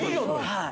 はい。